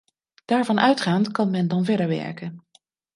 Daarvan uitgaand kan men dan verder werken.